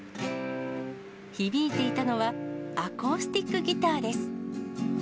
響いていたのは、アコースティックギターです。